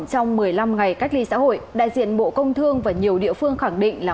trong một mươi năm ngày cách ly xã hội đại diện bộ công thương và nhiều địa phương khẳng định là